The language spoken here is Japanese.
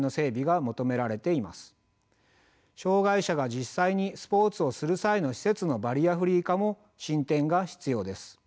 障害者が実際にスポーツをする際の施設のバリアフリー化も進展が必要です。